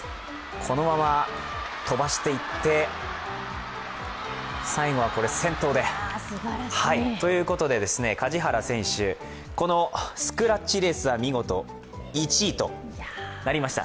このまま飛ばしていって最後は先頭で、ということで梶原選手、このスクラッチレースは見事１位となりました。